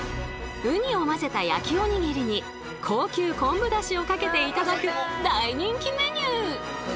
ウニを混ぜた焼きオニギリに高級昆布だしをかけて頂く大人気メニュー！